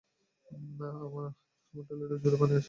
আমার টয়লেটে জোরে পানি আসে।